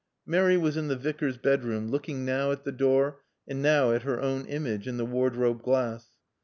Mary was in the Vicar's bedroom, looking now at the door, and now at her own image in the wardrobe glass.